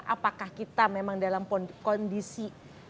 apakah kita memang dalam kondisi